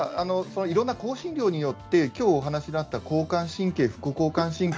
いろんな香辛料によって今日お話した交感神経副交感神経